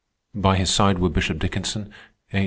By his side were Bishop Dickinson; H.